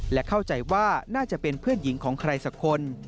และเข้าใจว่าน่าจะเป็นเพื่อนหญิงของใครสักคน